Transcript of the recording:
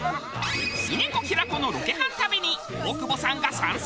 峰子平子のロケハン旅に大久保さんが参戦！